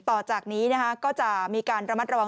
ต่อจากนี้ก็จะมีการระมัดระวัง